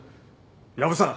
薮さん！